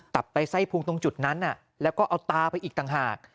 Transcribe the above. ไปไส้พุงตรงจุดนั้นแล้วก็เอาตาไปอีกต่างหาก